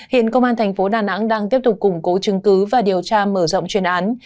hiện công an thành phố đà nẵng đang tiếp tục củng cố chứng cứ và điều tra mở rộng chuyên án